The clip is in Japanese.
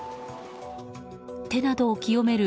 手などを清める